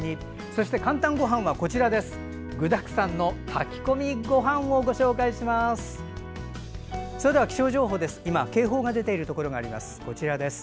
そして「かんたんごはん」は具だくさんの炊き込みご飯をご紹介します。